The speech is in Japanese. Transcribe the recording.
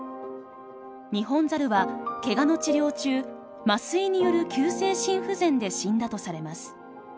ニホンザルはケガの治療中麻酔による急性心不全で死んだとされます。